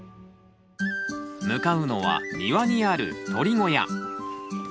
向かうのは庭にあるとり小屋。